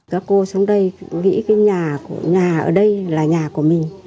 các cô xuống đây nghĩ cái nhà ở đây là nhà của mình